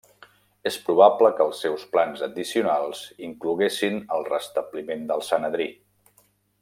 És probable que els seus plans addicionals incloguessin el restabliment del Sanedrí.